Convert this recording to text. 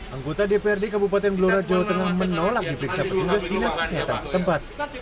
anggota dprd kabupaten blora jawa tengah menolak diperiksa petugas dinas kesehatan setempat